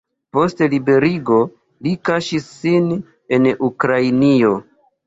Post liberigo li kaŝis sin en Ukrainio.